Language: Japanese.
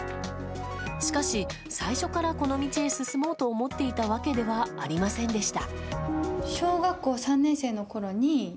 しかし、最初からこの道に進もうと思っていたわけではありませんでした。